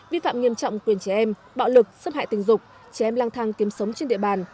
vi phạm nghiêm trọng quyền trẻ em bạo lực xâm hại tình dục trẻ em lang thang kiếm sống trên địa bàn